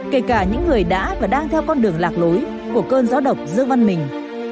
kể cả những người đã và đang theo con đường lạc lối của cơn gió độc giữa văn mình